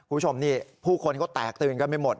คุณผู้ชมนี่ผู้คนก็แตกตื่นกันไม่หมด